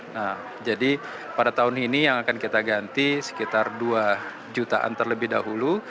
nah jadi pada tahun ini yang akan kita ganti sekitar dua jutaan terlebih dahulu